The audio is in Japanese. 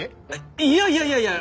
いやいやいやいや。